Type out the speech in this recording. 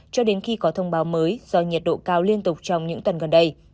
cho đến khi có thông báo mới do nhiệt độ cao liên tục trong những tuần gần đây